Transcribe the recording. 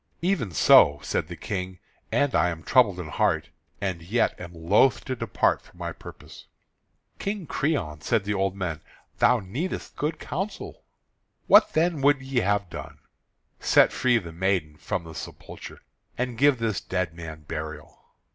"Even so," said the King, "and I am troubled in heart, and yet am loath to depart from my purpose." "King Creon," said the old men, "thou needest good counsel." "What, then, would ye have done?" "Set free the maiden from the sepulchre, and give this dead man burial."